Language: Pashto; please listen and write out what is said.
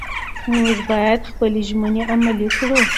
موږ باید خپلې ژمنې عملي کړو